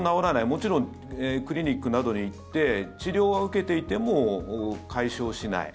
もちろんクリニックなどに行って治療は受けていても解消しない。